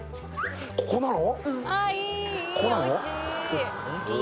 ここなの？